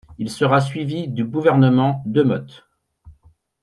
Il sera suivi du Gouvernement Demotte.